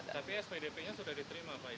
tapi spdp nya sudah diterima pak